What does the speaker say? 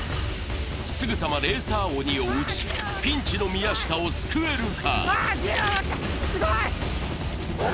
すぐさまレーサー鬼を撃ち、ピンチの宮下を救えるか。